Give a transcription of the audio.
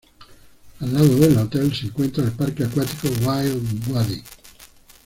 Al lado del hotel se encuentra el parque acuático Wild Wadi.